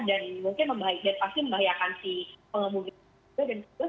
dan mungkin membahayakan pasti membahayakan si pengemudi itu dan sebagainya